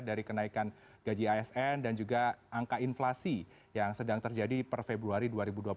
dari kenaikan gaji asn dan juga angka inflasi yang sedang terjadi per februari dua ribu dua puluh satu